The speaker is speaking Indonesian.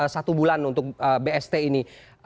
satu bulan untuk bst ini